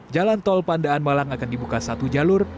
jalan tol pandaan malang akan dibuka satu jalur